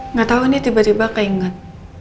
nggak tahu nih tiba tiba kayak inget